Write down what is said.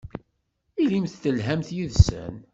Ilimt telhamt yid-sen.